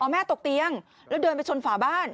แม่ตกเตียงแล้วเดินไปชนฝาบ้าน